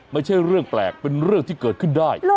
ไม่ใช่เรื่องแปลกเป็นเรื่องที่เกิดขึ้นได้